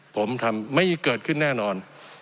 ผมทำไม่เกิดขึ้นแน่นอน